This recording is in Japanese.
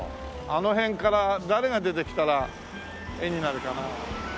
あの辺から誰が出てきたら絵になるかな？